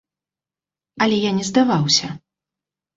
Але я не здаваўся.